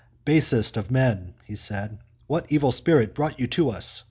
* Basest of men," he said, " what evil spirit brought you tous?